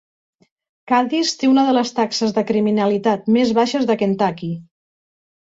Cadis té una de les taxes de criminalitat més baixes de Kentucky.